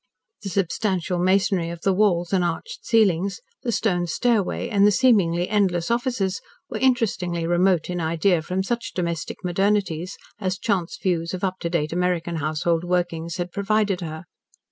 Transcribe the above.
The substantial masonry of the walls and arched ceilings, the stone stairway, and the seemingly endless offices, were interestingly remote in idea from such domestic modernities as chance views of up to date American household workings had provided her.